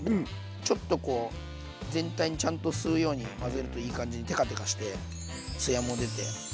ちょっとこう全体にちゃんと吸うように混ぜるといい感じにテカテカしてツヤも出て。